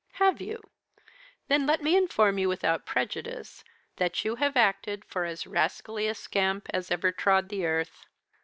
"'Have you? Then let me inform you, without prejudice, that you have acted for as rascally a scamp as ever trod the earth.